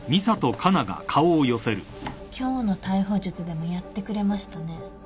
今日の逮捕術でもやってくれましたね。